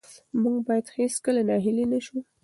موږ باید هېڅکله ناهیلي نه سو.